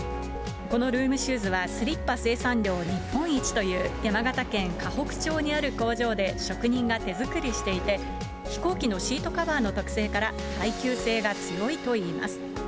このルームシューズはスリッパ生産量日本一という、山形県河北町にある工場で職人が手作りしていて、飛行機のシートカバーの特性から、耐久性が強いといいます。